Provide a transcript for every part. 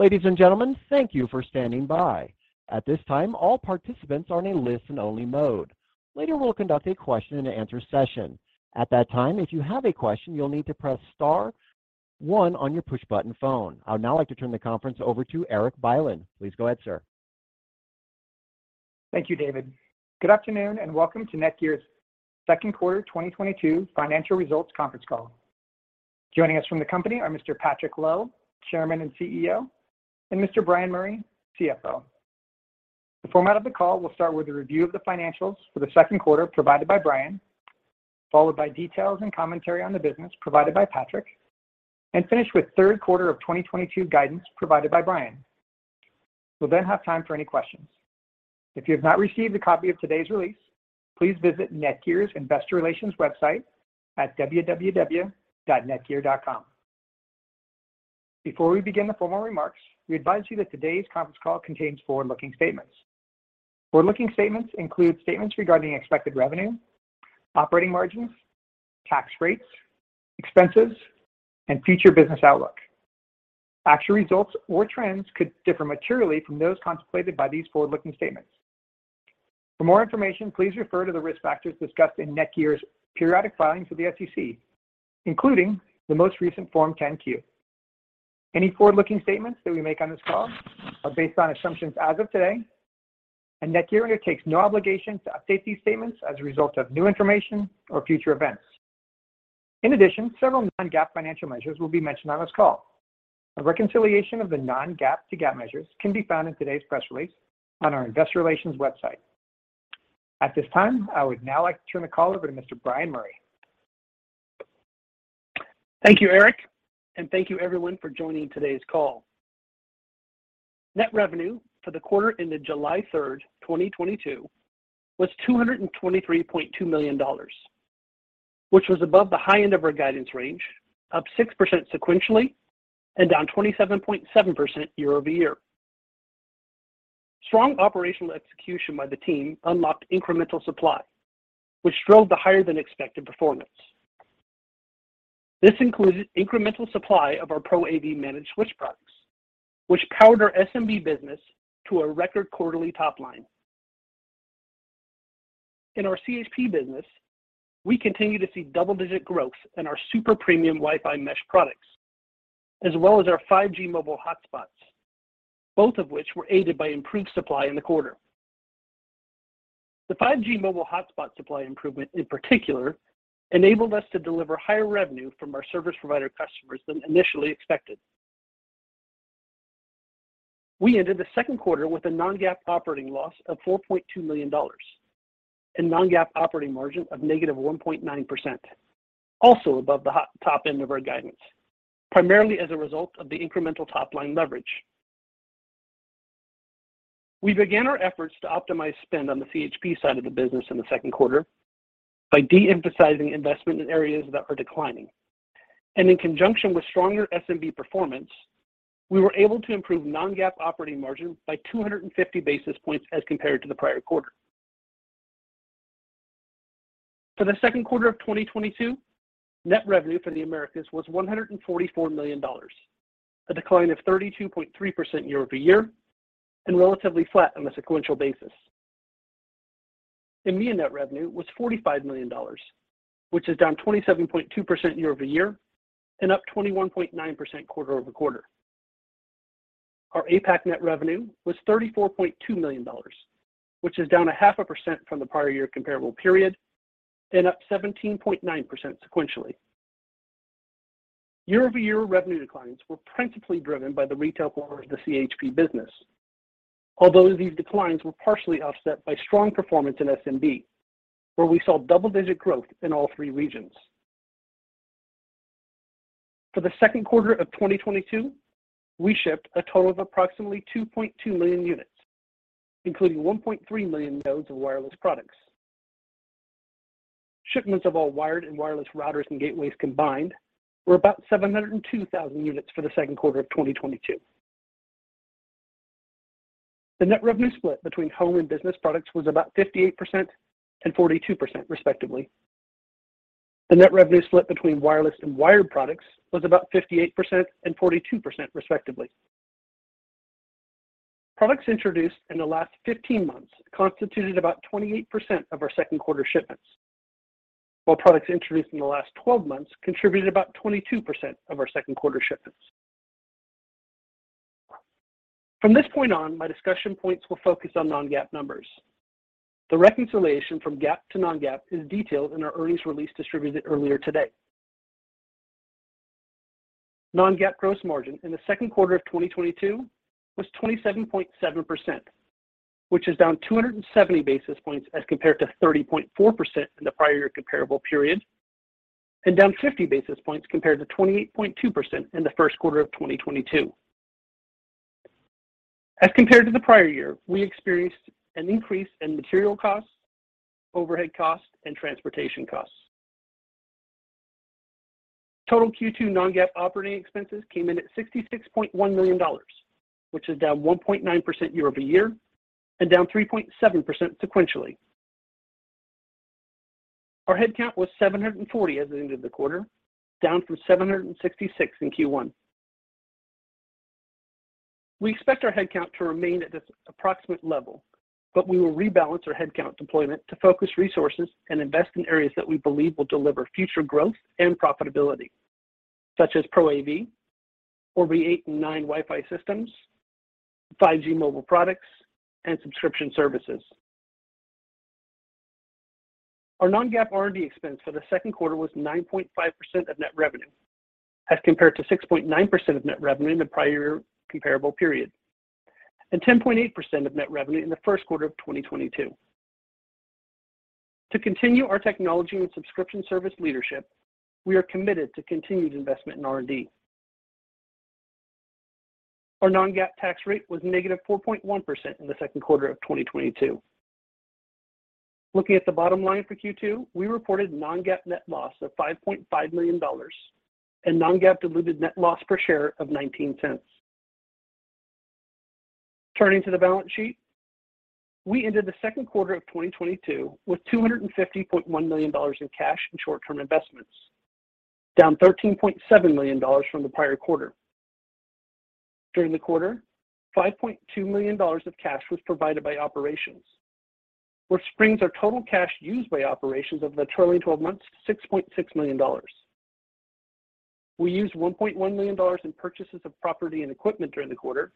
Ladies and gentlemen, thank you for standing by. At this time, all participants are in a listen-only mode. Later, we'll conduct a question-and-answer session. At that time, if you have a question, you'll need to press star one on your push button phone. I would now like to turn the conference over to Erik Bylin. Please go ahead, sir. Thank you, David. Good afternoon, and welcome to NETGEAR's second quarter 2022 financial results conference call. Joining us from the company are Mr. Patrick Lo, Chairman and CEO, and Mr. Bryan Murray, CFO. The format of the call will start with a review of the financials for the second quarter provided by Bryan, followed by details and commentary on the business provided by Patrick, and finish with third quarter of 2022 guidance provided by Bryan. We'll then have time for any questions. If you have not received a copy of today's release, please visit NETGEAR's Investor Relations website at www.netgear.com. Before we begin the formal remarks, we advise you that today's conference call contains forward-looking statements. Forward-looking statements include statements regarding expected revenue, operating margins, tax rates, expenses, and future business outlook. Actual results or trends could differ materially from those contemplated by these forward-looking statements. For more information, please refer to the risk factors discussed in NETGEAR's periodic filings with the SEC, including the most recent Form 10-Q. Any forward-looking statements that we make on this call are based on assumptions as of today, and NETGEAR undertakes no obligation to update these statements as a result of new information or future events. In addition, several non-GAAP financial measures will be mentioned on this call. A reconciliation of the non-GAAP to GAAP measures can be found in today's press release on our Investor Relations website. At this time, I would now like to turn the call over to Mr. Bryan Murray. Thank you, Erik, and thank you everyone for joining today's call. Net revenue for the quarter ended July 3rd, 2022 was $223.2 million, which was above the high end of our guidance range, up 6% sequentially and down 27.7% year-over-year. Strong operational execution by the team unlocked incremental supply, which drove the higher than expected performance. This includes incremental supply of our Pro AV managed switch products, which powered our SMB business to a record quarterly top line. In our CHP business, we continue to see double-digit growth in our super premium Wi-Fi mesh products, as well as our 5G mobile hotspots, both of which were aided by improved supply in the quarter. The 5G mobile hotspot supply improvement, in particular, enabled us to deliver higher revenue from our service provider customers than initially expected. We ended the second quarter with a non-GAAP operating loss of $4.2 million and non-GAAP operating margin of -1.9%, also above the top end of our guidance, primarily as a result of the incremental top-line leverage. We began our efforts to optimize spend on the CHP side of the business in the second quarter by de-emphasizing investment in areas that are declining. In conjunction with stronger SMB performance, we were able to improve non-GAAP operating margin by 250 basis points as compared to the prior quarter. For the second quarter of 2022, net revenue for the Americas was $144 million, a decline of 32.3% year over year, and relatively flat on a sequential basis. EMEA net revenue was $45 million, which is down 27.2% year-over-year and up 21.9% quarter-over-quarter. Our APAC net revenue was $34.2 million, which is down a 0.5% From the prior year comparable period and up 17.9% sequentially. Year-over-year revenue declines were principally driven by the retail quarter of the CHP business, although these declines were partially offset by strong performance in SMB, where we saw double-digit growth in all three regions. For the second quarter of 2022, we shipped a total of approximately 2.2 million units, including 1.3 million nodes of wireless products. Shipments of all wired and wireless routers and gateways combined were about 702,000 units for the second quarter of 2022. The net revenue split between home and business products was about 58% and 42%, respectively. The net revenue split between wireless and wired products was about 58% and 42%, respectively. Products introduced in the last 15 months constituted about 28% of our second quarter shipments, while products introduced in the last 12 months contributed about 22% of our second quarter shipments. From this point on, my discussion points will focus on non-GAAP numbers. The reconciliation from GAAP to non-GAAP is detailed in our earnings release distributed earlier today. Non-GAAP gross margin in the second quarter of 2022 was 27.7%, which is down 270 basis points as compared to 30.4% in the prior year comparable period, and down 50 basis points compared to 28.2% in the first quarter of 2022. As compared to the prior year, we experienced an increase in material costs, overhead costs, and transportation costs. Total Q2 non-GAAP operating expenses came in at $66.1 million, which is down 1.9% year-over-year, and down 3.7% sequentially. Our headcount was 740 as it ended the quarter, down from 766 in Q1. We expect our headcount to remain at this approximate level, but we will rebalance our headcount deployment to focus resources and invest in areas that we believe will deliver future growth and profitability, such as Pro AV, Orbi 8 and Orbi 9 Wi-Fi systems, 5G mobile products, and subscription services. Our non-GAAP R&D expense for the second quarter was 9.5% of net revenue, as compared to 6.9% of net revenue in the prior comparable period, and 10.8% of net revenue in the first quarter of 2022. To continue our technology and subscription service leadership, we are committed to continued investment in R&D. Our non-GAAP tax rate was -4.1% in the second quarter of 2022. Looking at the bottom line for Q2, we reported non-GAAP net loss of $5.5 million and non-GAAP diluted net loss per share of $0.19. Turning to the balance sheet, we ended the second quarter of 2022 with $250.1 million in cash and short-term investments, down $13.7 million from the prior quarter. During the quarter, $5.2 million of cash was provided by operations, which brings our total cash used by operations over the trailing 12 months to $6.6 million. We used $1.1 million in purchases of property and equipment during the quarter,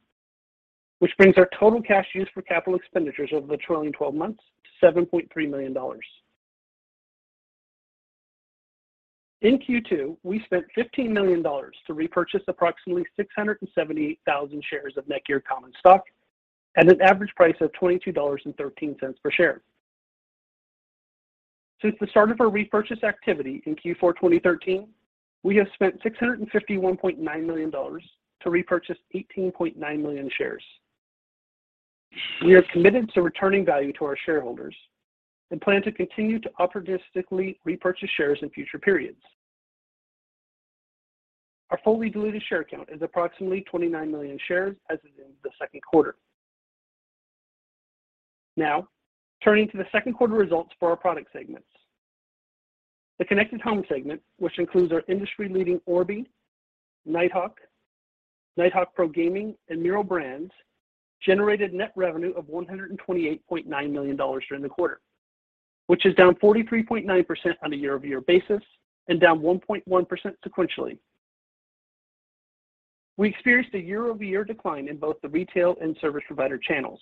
which brings our total cash used for capital expenditures over the trailing 12 months to $7.3 million. In Q2, we spent $15 million to repurchase approximately 678,000 shares of NETGEAR common stock at an average price of $22.13 per share. Since the start of our repurchase activity in Q4 2013, we have spent $651.9 million to repurchase 18.9 million shares. We are committed to returning value to our shareholders and plan to continue to opportunistically repurchase shares in future periods. Our fully diluted share count is approximately 29 million shares as of the end of the second quarter. Now, turning to the second quarter results for our product segments. The Connected Home segment, which includes our industry-leading Orbi, Nighthawk Pro Gaming, and Meural brands, generated net revenue of $128.9 million during the quarter, which is down 43.9% on a year-over-year basis and down 1.1% sequentially. We experienced a year-over-year decline in both the retail and service provider channels.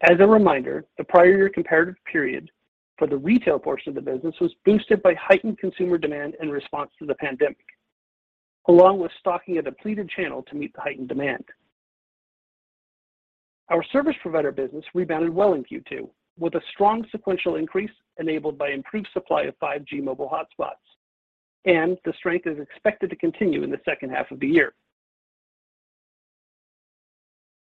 As a reminder, the prior year comparative period for the retail portion of the business was boosted by heightened consumer demand in response to the pandemic, along with stocking a depleted channel to meet the heightened demand. Our service provider business rebounded well in Q2, with a strong sequential increase enabled by improved supply of 5G mobile hotspots, and the strength is expected to continue in the second half of the year.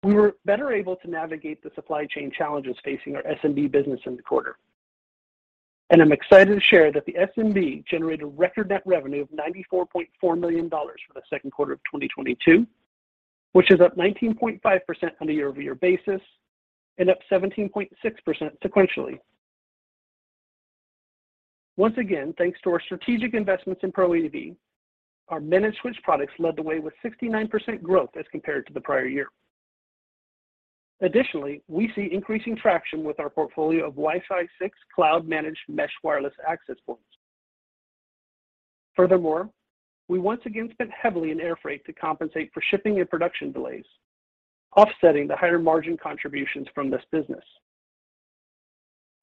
We were better able to navigate the supply chain challenges facing our SMB business in the quarter. I'm excited to share that the SMB generated record net revenue of $94.4 million for the second quarter of 2022, which is up 19.5% on a year-over-year basis and up 17.6% sequentially. Once again, thanks to our strategic investments in Pro AV, our managed switch products led the way with 69% growth as compared to the prior year. Additionally, we see increasing traction with our portfolio of Wi-Fi 6 cloud-managed mesh wireless access points. Furthermore, we once again spent heavily in air freight to compensate for shipping and production delays, offsetting the higher margin contributions from this business.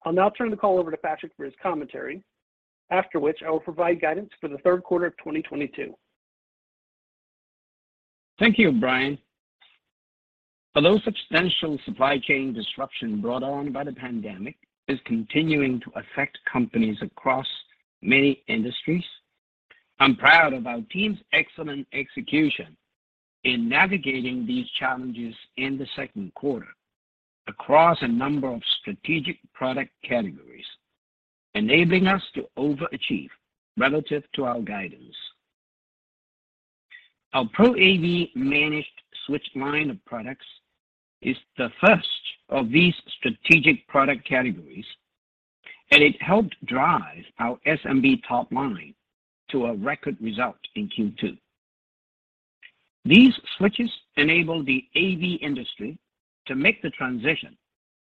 I'll now turn the call over to Patrick for his commentary, after which I will provide guidance for the third quarter of 2022. Thank you, Bryan. Although substantial supply chain disruption brought on by the pandemic is continuing to affect companies across many industries, I'm proud of our team's excellent execution in navigating these challenges in the second quarter across a number of strategic product categories, enabling us to overachieve relative to our guidance. Our Pro AV managed switch line of products is the first of these strategic product categories, and it helped drive our SMB top line to a record result in Q2. These switches enable the AV industry to make the transition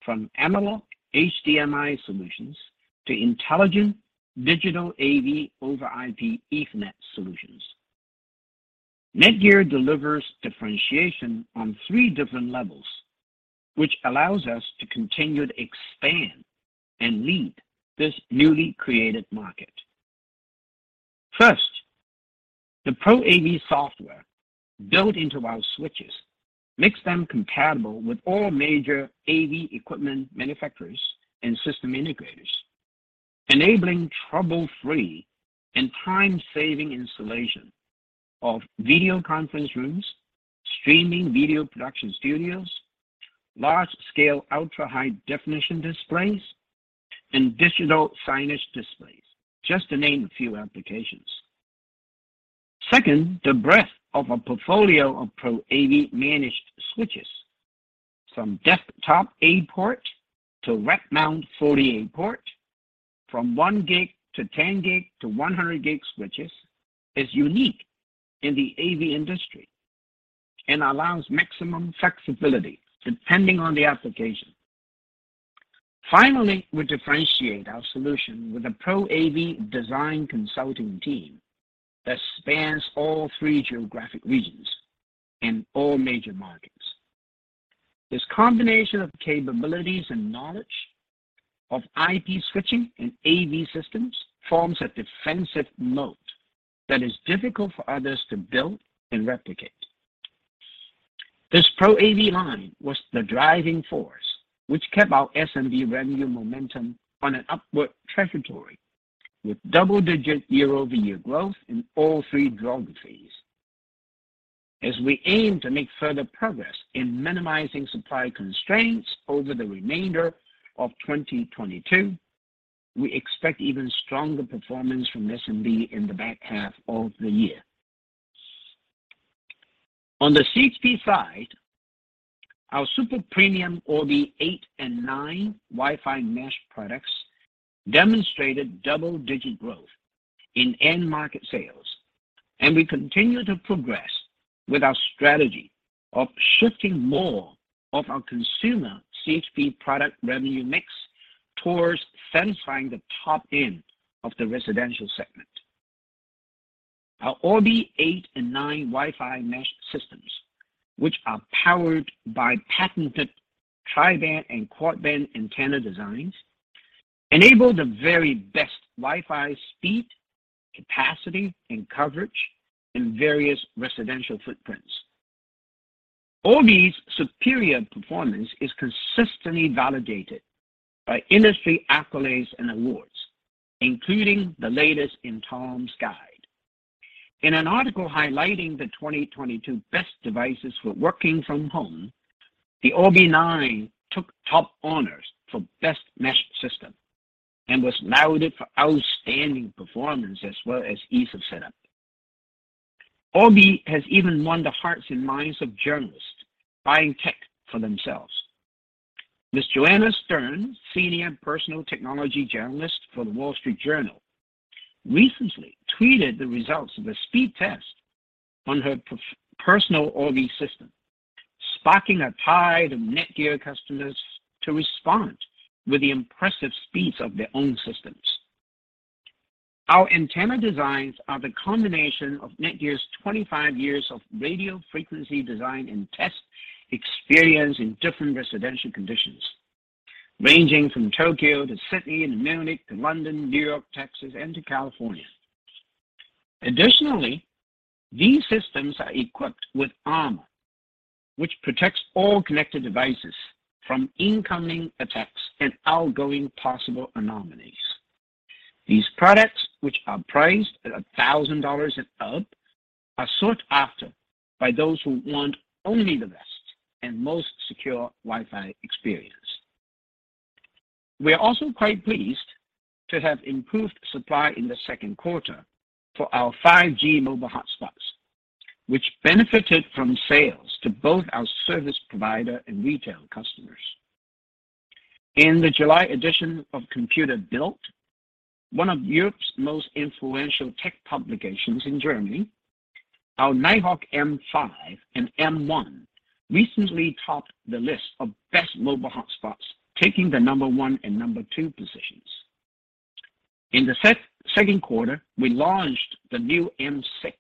from analog HDMI solutions to intelligent digital AV over IP Ethernet solutions. NETGEAR delivers differentiation on three different levels, which allows us to continue to expand and lead this newly created market. First, the Pro AV software built into our switches makes them compatible with all major AV equipment manufacturers and system integrators, enabling trouble-free and time-saving installation of video conference rooms, streaming video production studios, large-scale ultra-high definition displays, and digital signage displays, just to name a few applications. Second, the breadth of our portfolio of Pro AV managed switches from desktop 8-port to rack-mount 48-port, from 1 Gb to 10 Gb to 100 Gb switches is unique in the AV industry and allows maximum flexibility depending on the application. Finally, we differentiate our solution with a Pro AV design consulting team that spans all three geographic regions and all major markets. This combination of capabilities and knowledge of IP switching and AV systems forms a defensive moat that is difficult for others to build and replicate. This Pro AV line was the driving force which kept our SMB revenue momentum on an upward trajectory with double-digit year-over-year growth in all three geographies. As we aim to make further progress in minimizing supply constraints over the remainder of 2022, we expect even stronger performance from SMB in the back half of the year. On the CHP side, our super premium Orbi 8 and Orbi 9 Wi-Fi mesh products demonstrated double-digit growth in end market sales, and we continue to progress with our strategy of shifting more of our consumer CHP product revenue mix towards centering the top end of the residential segment. Our Orbi 8 and Orbi 9 Wi-Fi mesh systems, which are powered by patented tri-band and quad-band antenna designs, enable the very best Wi-Fi speed, capacity, and coverage in various residential footprints. Orbi's superior performance is consistently validated by industry accolades and awards, including the latest in Tom's Guide. In an article highlighting the 2022 best devices for working from home, the Orbi 9 took top honors for best mesh system and was lauded for outstanding performance as well as ease of setup. Orbi has even won the hearts and minds of journalists buying tech for themselves. Ms. Joanna Stern, senior personal technology journalist for The Wall Street Journal, recently tweeted the results of a speed test on her personal Orbi system, sparking a tide of NETGEAR customers to respond with the impressive speeds of their own systems. Our antenna designs are the combination of NETGEAR's 25 years of radio frequency design and test experience in different residential conditions, ranging from Tokyo to Sydney to Munich to London, New York, Texas, and to California. These systems are equipped with Armor, which protects all connected devices from incoming attacks and outgoing possible anomalies. These products, which are priced at $1,000 and up, are sought after by those who want only the best and most secure Wi-Fi experience. We are also quite pleased to have improved supply in the second quarter for our 5G mobile hotspots, which benefited from sales to both our service provider and retail customers. In the July edition of Computer Bild, one of Europe's most influential tech publications in Germany, our Nighthawk M5 and Nighthawk M1 recently topped the list of best mobile hotspots, taking the number one and number two positions. In the second quarter, we launched the new Nighthawk M6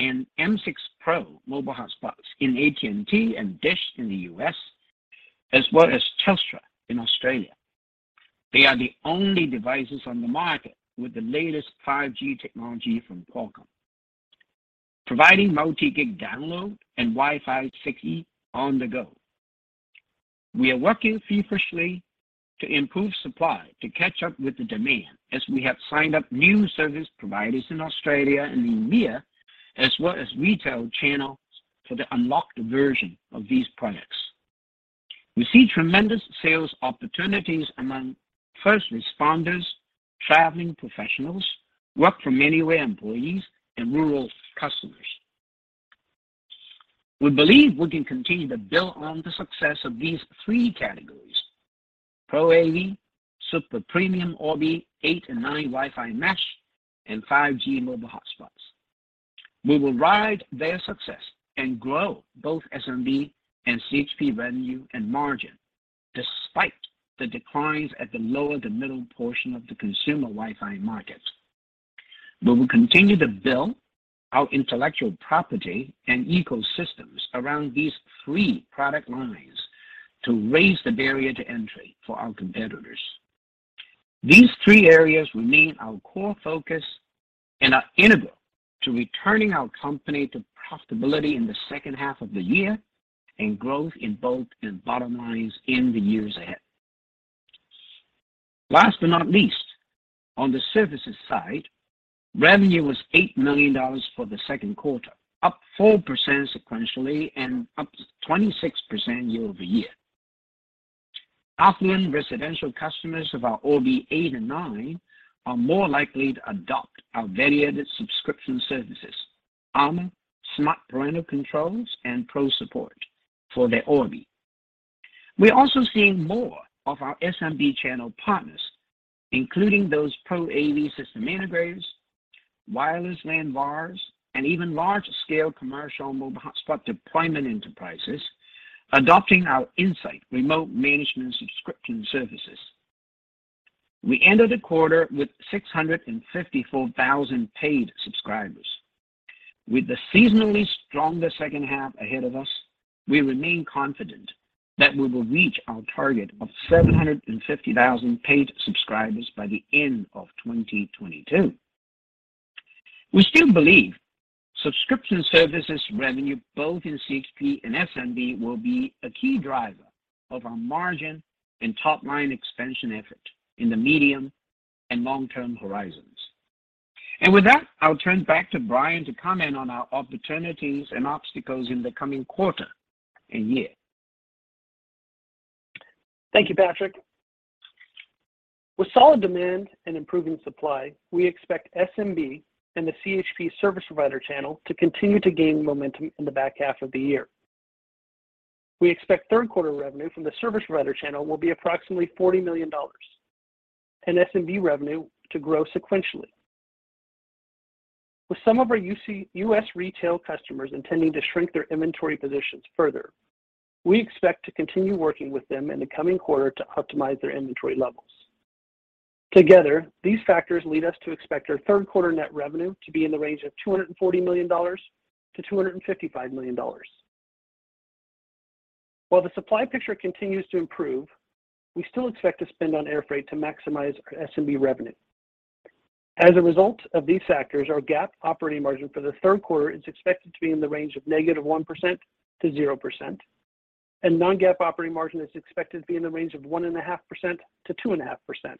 and Nighthawk M6 Pro mobile hotspots in AT&T and Dish in the US as well as Telstra in Australia. They are the only devices on the market with the latest 5G technology from Qualcomm, providing multi-gig download and Wi-Fi 6E on the go. We are working feverishly to improve supply to catch up with the demand as we have signed up new service providers in Australia and EMEA, as well as retail channels for the unlocked version of these products. We see tremendous sales opportunities among first responders, traveling professionals, work from anywhere employees, and rural customers. We believe we can continue to build on the success of these three categories: Pro AV, super premium Orbi 8 and Orbi 9 Wi-Fi mesh, and 5G mobile hotspots. We will ride their success and grow both SMB and CHP revenue and margin despite the declines at the lower to middle portion of the consumer Wi-Fi market. We will continue to build our intellectual property and ecosystems around these three product lines to raise the barrier to entry for our competitors. These three areas remain our core focus and are integral to returning our company to profitability in the second half of the year and growth in both top and bottom lines in the years ahead. Last but not least, on the services side, revenue was $8 million for the second quarter, up 4% sequentially and up 26% year-over-year. Affluent residential customers of our Orbi 8 and Orbi 9 are more likely to adopt our value-added subscription services, Armor, Smart Parental Controls, and Pro Support for their Orbi. We're also seeing more of our SMB channel partners, including those Pro AV system integrators, wireless LAN VARs, and even large-scale commercial mobile hotspot deployment enterprises adopting our Insight remote management subscription services. We ended the quarter with 654,000 paid subscribers. With the seasonally stronger second half ahead of us, we remain confident that we will reach our target of 750,000 paid subscribers by the end of 2022. We still believe subscription services revenue, both in CHP and SMB, will be a key driver of our margin and top-line expansion effort in the medium and long-term horizons. With that, I'll turn back to Bryan to comment on our opportunities and obstacles in the coming quarter and year. Thank you, Patrick. With solid demand and improving supply, we expect SMB and the CHP service provider channel to continue to gain momentum in the back half of the year. We expect third quarter revenue from the service provider channel will be approximately $40 million, and SMB revenue to grow sequentially. With some of our U.S. retail customers intending to shrink their inventory positions further, we expect to continue working with them in the coming quarter to optimize their inventory levels. Together, these factors lead us to expect our third quarter net revenue to be in the range of $240 million-$255 million. While the supply picture continues to improve, we still expect to spend on air freight to maximize our SMB revenue. As a result of these factors, our GAAP operating margin for the third quarter is expected to be in the range of -1% to 0%, and non-GAAP operating margin is expected to be in the range of 1.5%-2.5%.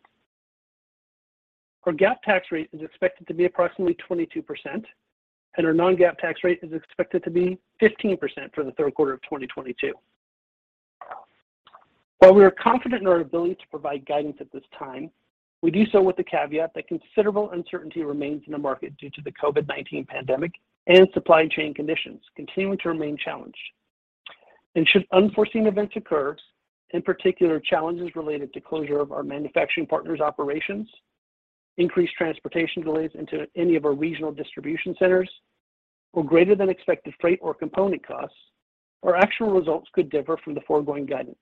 Our GAAP tax rate is expected to be approximately 22%, and our non-GAAP tax rate is expected to be 15% for the third quarter of 2022. While we are confident in our ability to provide guidance at this time, we do so with the caveat that considerable uncertainty remains in the market due to the COVID-19 pandemic and supply chain conditions continuing to remain challenged. Should unforeseen events occur, in particular challenges related to closure of our manufacturing partners' operations, increased transportation delays into any of our regional distribution centers, or greater than expected freight or component costs, our actual results could differ from the foregoing guidance.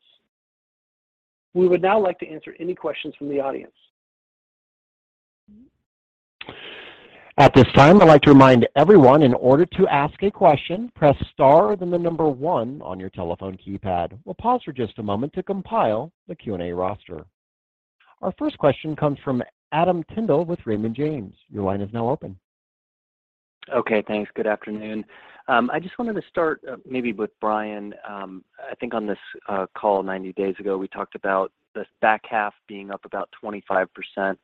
We would now like to answer any questions from the audience. At this time, I'd like to remind everyone in order to ask a question, press star, then the number one on your telephone keypad. We'll pause for just a moment to compile the Q&A roster. Our first question comes from Adam Tindle with Raymond James. Your line is now open. Okay. Thanks. Good afternoon. I just wanted to start, maybe with Bryan. I think on this call 90 days ago, we talked about the back half being up about 25%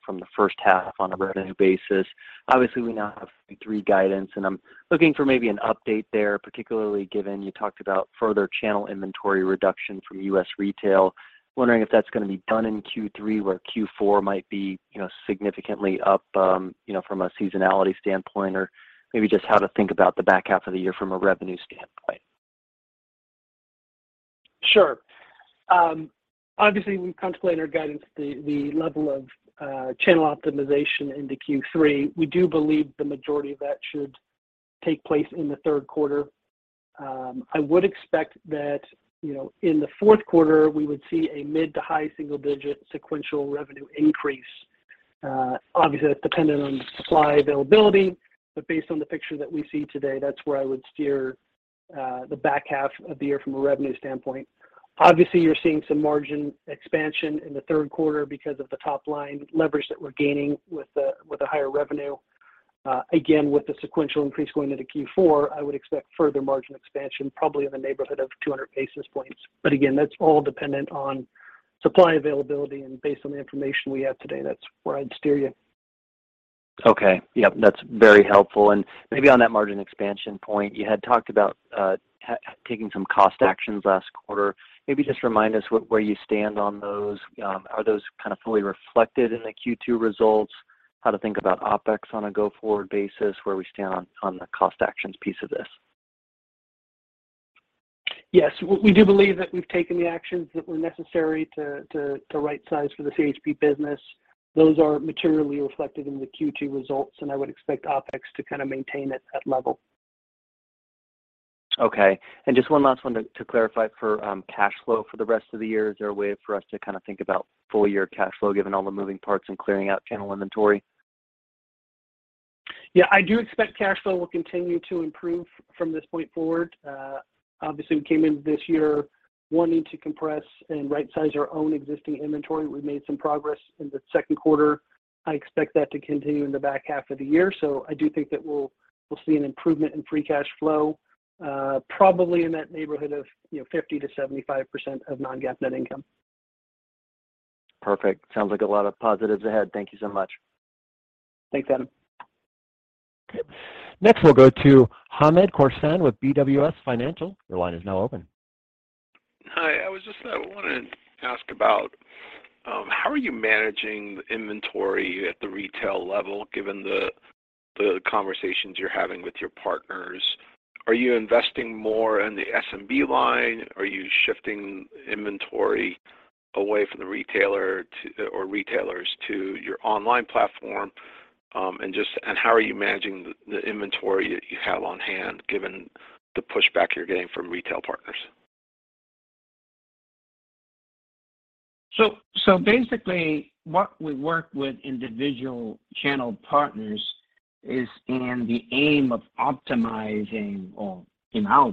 from the first half on a revenue basis. Obviously, we now have Q3 guidance, and I'm looking for maybe an update there, particularly given you talked about further channel inventory reduction from U.S. retail. Wondering if that's going to be done in Q3 where Q4 might be, you know, significantly up, you know, from a seasonality standpoint, or maybe just how to think about the back half of the year from a revenue standpoint. Sure. Obviously, we've contemplated our guidance the level of channel optimization into Q3. We do believe the majority of that should take place in the third quarter. I would expect that, you know, in the fourth quarter, we would see a mid to high single digit sequential revenue increase. Obviously, that's dependent on supply availability, but based on the picture that we see today, that's where I would steer the back half of the year from a revenue standpoint. Obviously, you're seeing some margin expansion in the third quarter because of the top-line leverage that we're gaining with the higher revenue. Again, with the sequential increase going into Q4, I would expect further margin expansion probably in the neighborhood of 200 basis points. Again, that's all dependent on supply availability, and based on the information we have today, that's where I'd steer you. Okay. Yep. That's very helpful. Maybe on that margin expansion point, you had talked about taking some cost actions last quarter. Maybe just remind us where you stand on those. Are those kind of fully reflected in the Q2 results, how to think about OpEx on a go-forward basis, where we stand on the cost actions piece of this? Yes. We do believe that we've taken the actions that were necessary to right size for the CHP business. Those are materially reflected in the Q2 results, and I would expect OpEx to kind of maintain at that level. Okay. Just one last one to clarify for cash flow for the rest of the year. Is there a way for us to kind of think about full year cash flow given all the moving parts and clearing out channel inventory? Yeah, I do expect cash flow will continue to improve from this point forward. Obviously we came in this year wanting to compress and right size our own existing inventory. We've made some progress in the second quarter. I expect that to continue in the back half of the year. I do think that we'll see an improvement in free cash flow, probably in that neighborhood of, you know, 50%-75% of non-GAAP net income. Perfect. Sounds like a lot of positives ahead. Thank you so much. Thanks, Adam. Next we'll go to Hamed Khorsand with BWS Financial. Your line is now open. Hi. I was just wanna ask about how are you managing the inventory at the retail level given the conversations you're having with your partners. Are you investing more in the SMB line? Are you shifting inventory away from the retailer or retailers to your online platform? How are you managing the inventory you have on hand given the pushback you're getting from retail partners? Basically what we work with individual channel partners is in the aim of optimizing or in our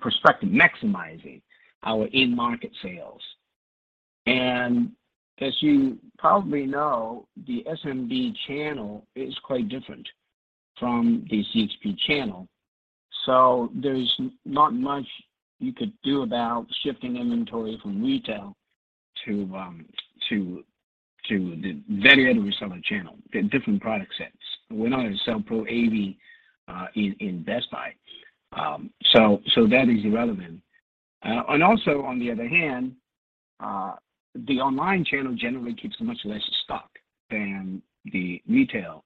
perspective, maximizing our in-market sales. As you probably know, the SMB channel is quite different from the CHP channel. There's not much you could do about shifting inventory from retail to the value-added reseller channel. They're different product sets. We're not gonna sell Pro AV in Best Buy. That is irrelevant. Also on the other hand, the online channel generally keeps much less stock than the retail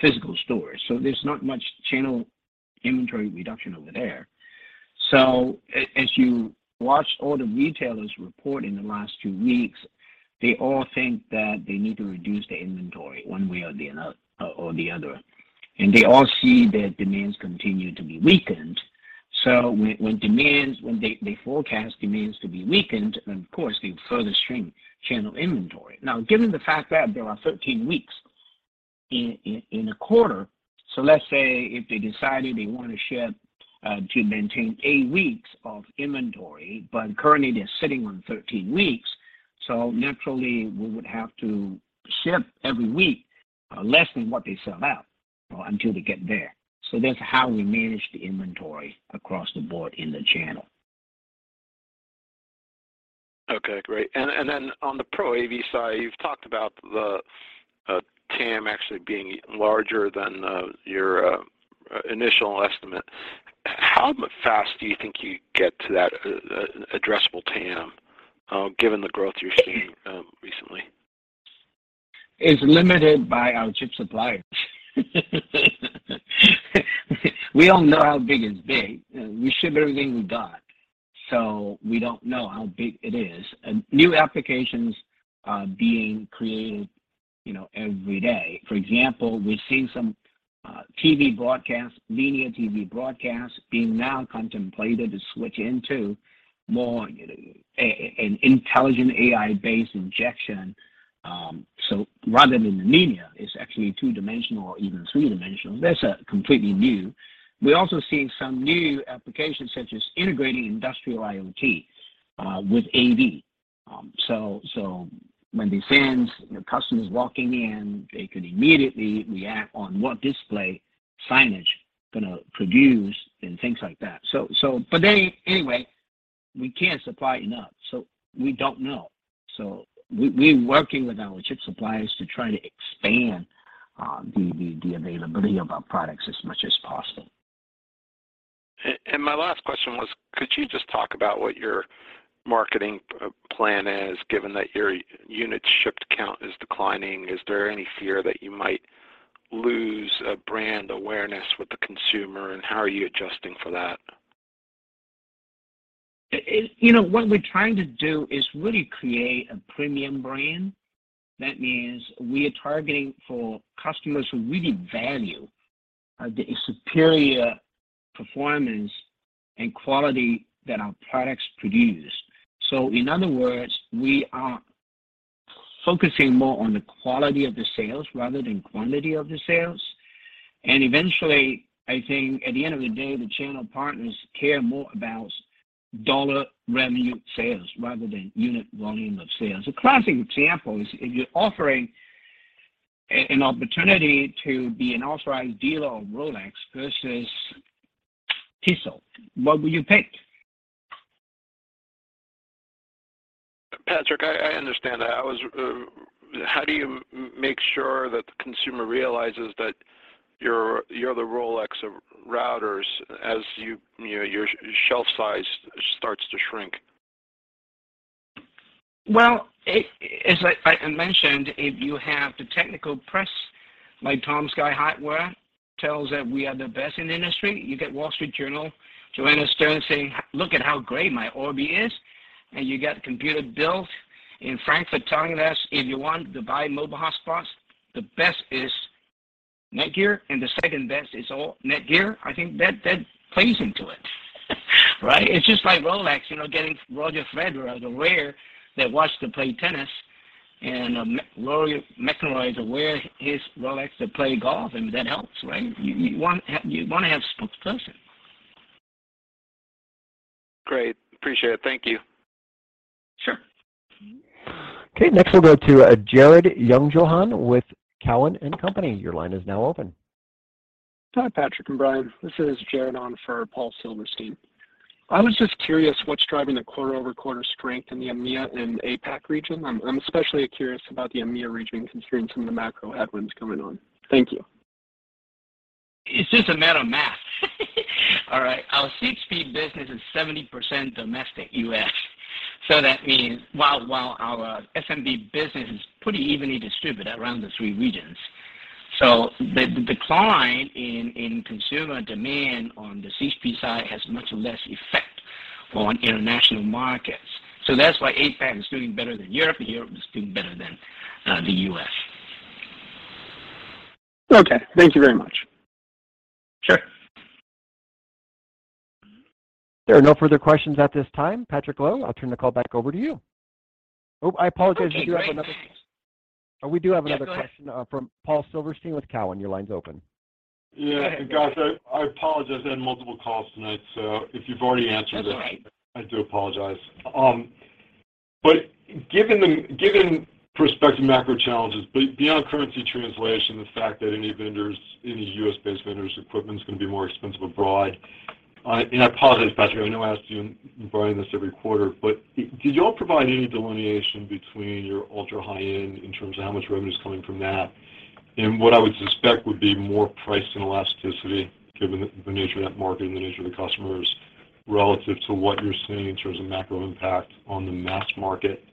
physical stores, so there's not much channel inventory reduction over there. As you watch all the retailers report in the last two weeks, they all think that they need to reduce their inventory one way or the other, and they all see their demands continue to be weakened. When they forecast demands to be weakened, then of course they further shrink channel inventory. Now, given the fact that there are 13 weeks in a quarter, let's say if they decided they wanted to ship to maintain eight weeks of inventory, but currently they're sitting on 13 weeks, so naturally we would have to ship every week less than what they sell out until they get there. That's how we manage the inventory across the board in the channel. Okay. Great. On the Pro AV side, you've talked about the TAM actually being larger than your initial estimate. How fast do you think you get to that addressable TAM, given the growth you're seeing recently? It's limited by our chip suppliers. We don't know how big is big. We ship everything we got, so we don't know how big it is. New applications are being created, you know, every day. For example, we're seeing some TV broadcasts, linear TV broadcasts being now contemplated to switch into more of an intelligent AI-based injection, so rather than the linear. It's actually two-dimensional or even three-dimensional. That's completely new. We're also seeing some new applications such as integrating industrial IoT with AV. So when this ends, you know, customers walking in, they could immediately react on what display signage gonna produce and things like that. Anyway, we can't supply enough, so we don't know. We working with our chip suppliers to try to expand the availability of our products as much as possible. My last question was could you just talk about what your marketing plan is given that your unit shipped count is declining? Is there any fear that you might lose brand awareness with the consumer, and how are you adjusting for that? You know, what we're trying to do is really create a premium brand. That means we are targeting for customers who really value the superior performance and quality that our products produce. So in other words, we are focusing more on the quality of the sales rather than quantity of the sales. Eventually, I think at the end of the day, the channel partners care more about dollar revenue sales rather than unit volume of sales. A classic example is if you're offering an opportunity to be an authorized dealer of Rolex versus Tissot, what will you pick? Patrick, I understand that. How do you make sure that the consumer realizes that you're the Rolex of routers as you know, your shelf size starts to shrink? Well, as I mentioned, if you have the technical press like Tom's Guide hardware tells that we are the best in the industry, you get Wall Street Journal, Joanna Stern saying, "Look at how great my Orbi is," and you got Computer Bild in Frankfurt telling us, "If you want to buy mobile hotspots, the best is NETGEAR, and the second best is also NETGEAR," I think that plays into it. Right? It's just like Rolex, you know, getting Roger Federer to wear their watch to play tennis and Rory McIlroy to wear his Rolex to play golf, and that helps, right? You want, you wanna have spokesperson. Great. Appreciate it. Thank you. Sure. Okay. Next we'll go to Jared Jungjohann with Cowen and Company. Your line is now open. Hi, Patrick and Bryan. This is Jared on for Paul Silverstein. I was just curious what's driving the quarter-over-quarter strength in the EMEA and APAC region? I'm especially curious about the EMEA region considering some of the macro headwinds coming on. Thank you. It's just a matter of math. All right. Our CHP business is 70% domestic U.S., so that means while our SMB business is pretty evenly distributed around the three regions. The decline in consumer demand on the CHP side has much less effect on international markets. That's why APAC is doing better than Europe, and Europe is doing better than the U.S. Okay. Thank you very much. Sure. There are no further questions at this time. Patrick Lo, I'll turn the call back over to you. Oh, I apologize. We do have another question. Okay, great. We do have another question. Yeah, go ahead. from Paul Silverstein with Cowen. Your line's open. Go ahead. Yeah. Guys, I apologize. I had multiple calls tonight, so if you've already answered this. That's all right. I do apologize. But given prospective macro challenges, beyond currency translation, the fact that any US-based vendors' equipment's gonna be more expensive abroad. I apologize, Patrick. I know I ask you this. You provide this every quarter, but did y'all provide any delineation between your ultra-high end in terms of how much revenue is coming from that and what I would suspect would be more price inelasticity given the nature of that market and the nature of the customers relative to what you're seeing in terms of macro impact on the mass market.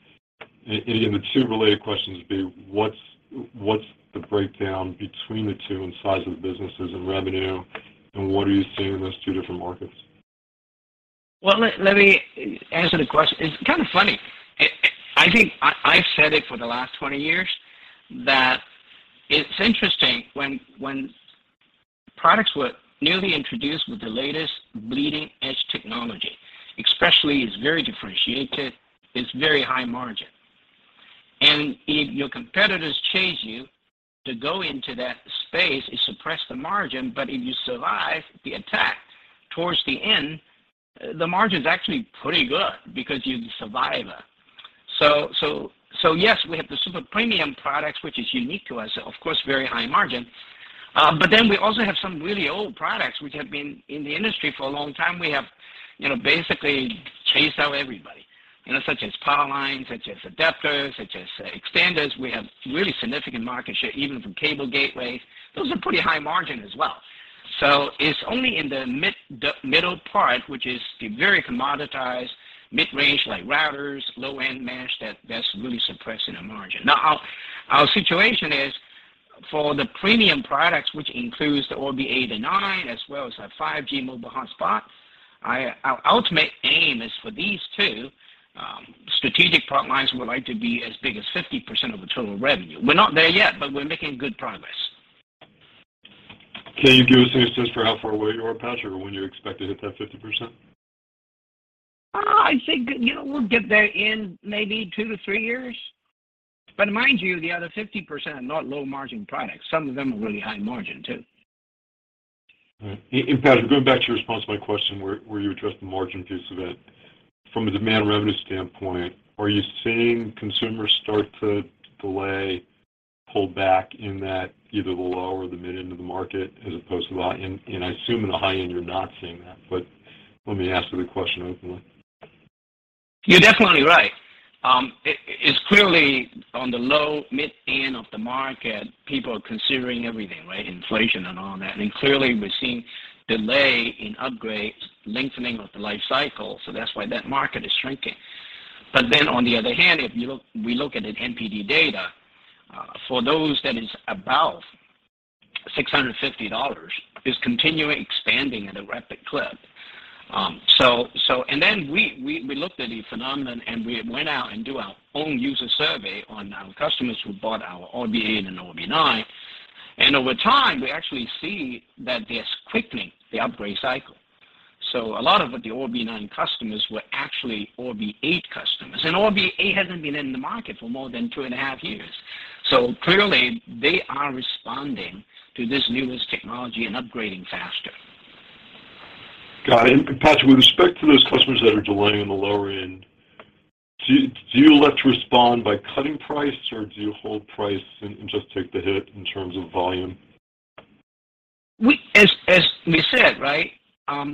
Again, the two related questions would be what's the breakdown between the two in size of businesses and revenue, and what are you seeing in those two different markets? Well, let me answer the question. It's kind of funny. I think I've said it for the last 20 years that it's interesting when products were newly introduced with the latest bleeding-edge technology, especially it's very differentiated, it's very high margin. If your competitors chase you to go into that space, it suppress the margin, but if you survive the attack, towards the end, the margin's actually pretty good because you're the survivor. Yes, we have the super premium products, which is unique to us, of course, very high margin. We also have some really old products which have been in the industry for a long time. We have, you know, basically chased out everybody, you know, such as power lines, such as adapters, such as extenders. We have really significant market share, even from cable gateways. Those are pretty high margin as well. It's only in the mid, the middle part, which is the very commoditized mid-range like routers, low-end mesh, that's really suppressing our margin. Now, our situation is for the premium products, which includes the Orbi 8 and Orbi 9, as well as our 5G mobile hotspot, our ultimate aim is for these two strategic product lines we would like to be as big as 50% of the total revenue. We're not there yet, but we're making good progress. Can you give us any sense for how far away you are, Patrick, or when you expect to hit that 50%? I think, you know, we'll get there in maybe two to three years. Mind you, the other 50% are not low margin products. Some of them are really high margin too. All right. Patrick, going back to your response to my question where you addressed the margin piece of it. From a demand revenue standpoint, are you seeing consumers start to delay, pull back in that either the low or the mid-end of the market as opposed to the high-end? I assume in the high end you're not seeing that, but let me ask you the question openly. You're definitely right. It's clearly on the low mid-end of the market, people are considering everything, right? Inflation and all that. Clearly, we're seeing delay in upgrades, lengthening of the life cycle, so that's why that market is shrinking. On the other hand, if you look, we look at NPD data for those that is above $650 is continuing expanding at a rapid clip. So and then we looked at the phenomenon and we went out and did our own user survey on our customers who bought our Orbi 8 and Orbi 9, and over time, we actually see that they're quickening the upgrade cycle. A lot of the Orbi 9 customers were actually Orbi 8 customers, and Orbi 8 hasn't been in the market for more than two and a half Years. Clearly they are responding to this newest technology and upgrading faster. Got it. Patrick, with respect to those customers that are delaying on the lower end, do you elect to respond by cutting price or do you hold price and just take the hit in terms of volume? As we said, right,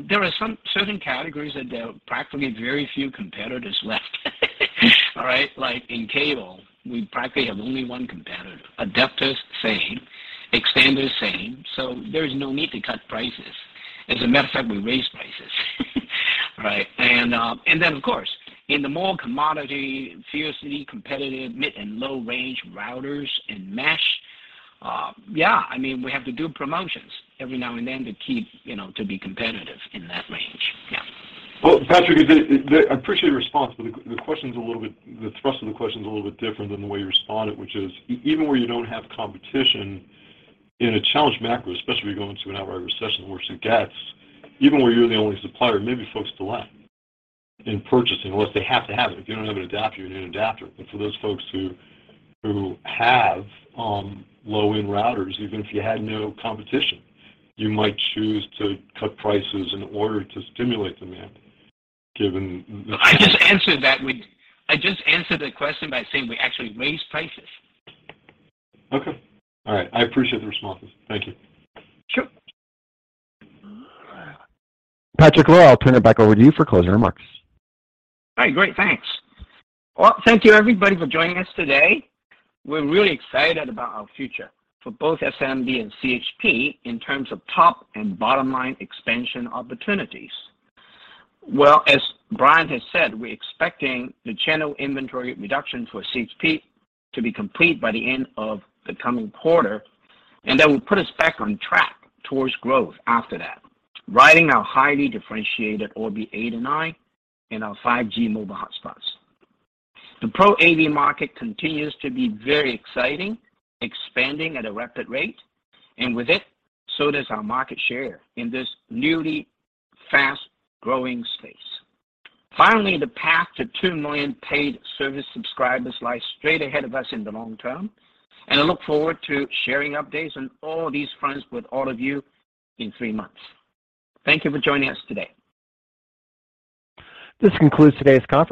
there are some certain categories that there are practically very few competitors left. All right. Like in cable, we practically have only one competitor. Adapters, same. Extenders, same. So there is no need to cut prices. As a matter of fact, we raise prices. Right. And then of course, in the more commodity, fiercely competitive mid and low-range routers and mesh, yeah, I mean, we have to do promotions every now and then to keep, you know, to be competitive in that range. Yeah. Well, Patrick, I appreciate your response, but the thrust of the question's a little bit different than the way you responded, which is even where you don't have competition in a challenged macro, especially if you go into an outright recession, the worse it gets, even where you're the only supplier, maybe folks delay in purchasing unless they have to have it. If you don't have an adapter, you need an adapter. But for those folks who have low-end routers, even if you had no competition, you might choose to cut prices in order to stimulate demand, given the I just answered that. I just answered the question by saying we actually raise prices. Okay. All right. I appreciate the response. Thank you. Sure. Patrick Lo, I'll turn it back over to you for closing remarks. All right. Great. Thanks. Well, thank you everybody for joining us today. We're really excited about our future for both SMB and CHP in terms of top and bottom line expansion opportunities. Well, as Bryan has said, we're expecting the channel inventory reduction for CHP to be complete by the end of the coming quarter, and that will put us back on track towards growth after that, riding our highly differentiated Orbi 8 and Orbi 9 and our 5G mobile hotspots. The Pro AV market continues to be very exciting, expanding at a rapid rate, and with it, so does our market share in this newly fast-growing space. Finally, the path to 2 million paid service subscribers lies straight ahead of us in the long term, and I look forward to sharing updates on all these fronts with all of you in three months. Thank you for joining us today. This concludes today's conference call.